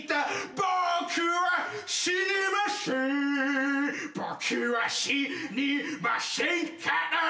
「僕は死にましぇんから」